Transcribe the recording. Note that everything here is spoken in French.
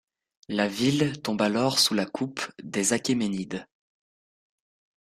La ville tombe alors sous la coupe des Achéménides.